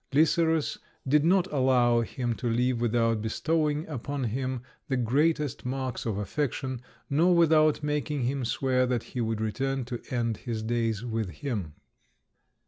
Lycerus did not allow him to leave without bestowing upon him the greatest marks of affection, nor without making him swear that he would return to end his days with him.